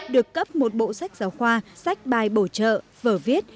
được cấp một bộ sách giáo khoa sách bài bổ trợ vở viết